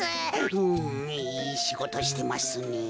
うんいいしごとしてますね。